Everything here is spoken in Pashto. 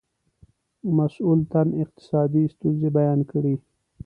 مسئول تن اقتصادي ستونزې بیان کړې.